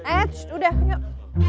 eh udah yuk